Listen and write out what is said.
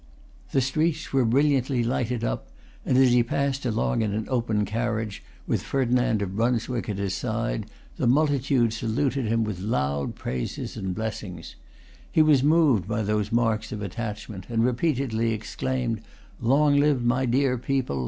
The streets were brilliantly lighted up; and, as he passed along in an open carriage, with Ferdinand of Brunswick at his side, the multitude saluted him with loud praises and blessings. He was moved by those marks of attachment, and repeatedly exclaimed, "Long live my dear people!